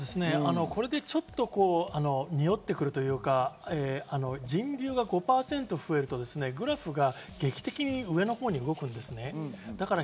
これでちょっとにおってくるというか、人流が５％増えると、グラフが劇的に上のほうに動くんですね。